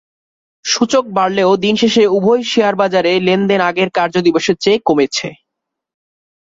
সূচক বাড়লেও দিন শেষে উভয় শেয়ারবাজারে লেনদেন আগের কার্যদিবসের চেয়ে কমেছে।